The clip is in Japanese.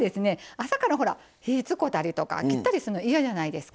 朝からほら火使うたりとか切ったりするの嫌じゃないですか。